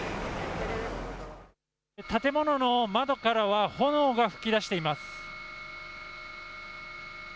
建物の窓からは、炎が噴き出しています。